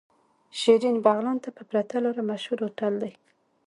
شيرين بغلان ته په پرته لاره مشهور هوټل دی.